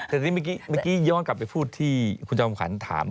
แต่ทีนี้เมื่อกี้ย้อนกลับไปพูดที่คุณจอมขวัญถาม